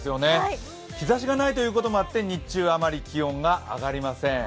日ざしがないということもあって日中あまり気温が上がりません。